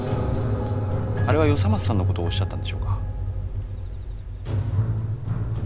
あれは与三松さんの事をおっしゃったんでしょうか？